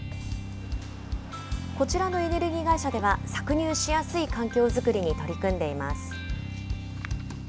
こちらのエネルギー会社では、搾乳しやすい環境作りに取り組んでいます。